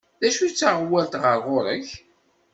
D acu d taɣwalt ɣer ɣur-k?